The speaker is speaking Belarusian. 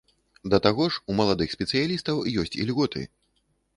Да таго ж, у маладых спецыялістаў ёсць ільготы.